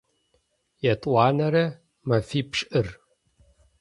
Ятӏонэрэ мэфипшӏыр.